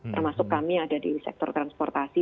termasuk kami yang ada di sektor transportasi